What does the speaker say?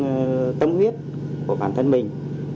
hoàn thành cái tâm huyết của bản thân mình